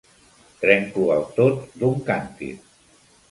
Trenco el tòt d'un càntir.